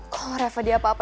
kok reva dia apa